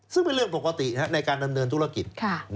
ซึ่งเป็นเรื่องปกติในการดำเนินธุรกิจ